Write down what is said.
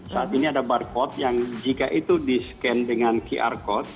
saat ini ada barcode yang jika itu di scan dengan qr code